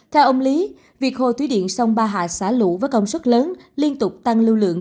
theo ông lý việc hồ thủy điện sông ba hạ xả lũ với công suất lớn liên tục tăng lưu lượng